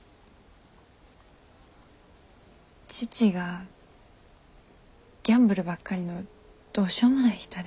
父がギャンブルばっかりのどうしようもない人で。